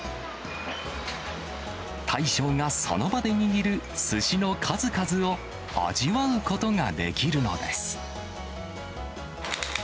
大将がその場で握るすしの数々を味わうことができるのです。